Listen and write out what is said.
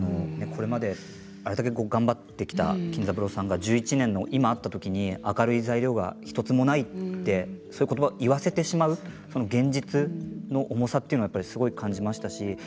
これまであれだけ頑張ってきた金三郎さんが１１年の今、会ったときに明るい材料が１つもないということばを言わせてしまう現実の重さを感じました。